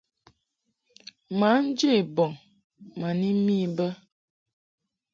Mǎ nje bɔŋ ma ni mi bə.